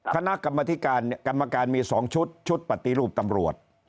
คณะกรรมการมี๒ชุดชุดปฏิรูปตำรวจ